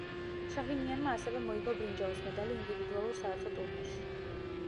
შაჰინიანმა ასევე მოიგო ბრინჯაოს მედალი ინდივიდუალურ საერთო ტურნირში.